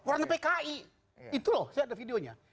orangnya pki itu loh saya ada videonya